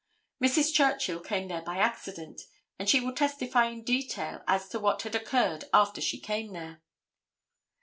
Mrs. Churchill came there by accident, and she will testify in detail as to what had occurred after she came there.